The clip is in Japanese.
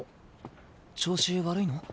調子悪いの？